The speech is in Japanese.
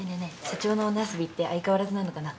社長の女遊びって相変わらずなのかな。